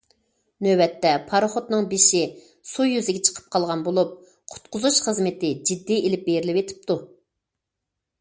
نۆۋەتتە پاراخوتنىڭ بېشى سۇ يۈزىگە چىقىپ قالغان بولۇپ، قۇتقۇزۇش خىزمىتى جىددىي ئېلىپ بېرىلىۋېتىپتۇ.